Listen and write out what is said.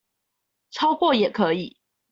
超過也可以